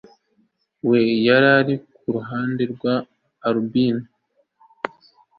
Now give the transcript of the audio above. we yarari Kuruhande rwa Albinia